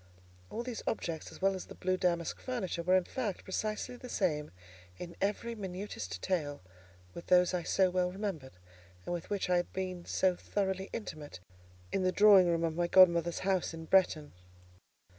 All these objects, as well as the blue damask furniture, were, in fact, precisely the same, in every minutest detail, with those I so well remembered, and with which I had been so thoroughly intimate, in the drawing room of my godmother's house at Bretton.